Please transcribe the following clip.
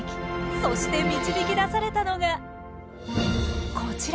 そして導き出されたのがこちら。